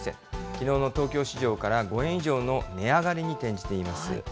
きのうの東京市場から５円以上の値上がりに転じています。